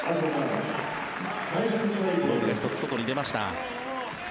ボールが外に出ました。